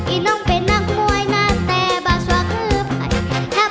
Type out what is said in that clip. อีน้องเป็นนักมวยนะแต่บ่สวะคือไป